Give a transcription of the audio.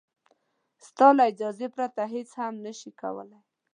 ستا له اجازې پرته هېڅ هم نه شي کولای.